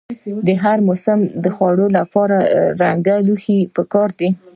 د هر موسم د خوړو لپاره رنګه لوښي پکار دي.